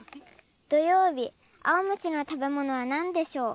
どようびあおむしのたべものはなんでしょう。